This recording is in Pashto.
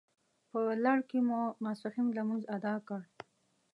په لړ کې مو ماپښین لمونځ اداء کړ.